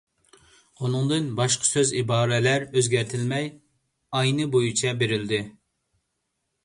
ئۇنىڭدىن باشقا سۆز-ئىبارىلەر ئۆزگەرتىلمەي، ئەينى بويىچە بېرىلدى.